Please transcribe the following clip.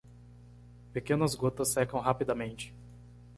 Pequenas gotas secam rapidamente.